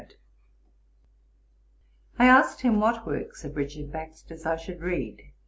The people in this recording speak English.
I asked him what works of Richard Baxter's I should read.